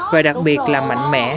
và đặc biệt là mạnh mẽ